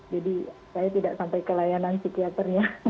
jadi saya tidak sampai ke layanan psikiaternya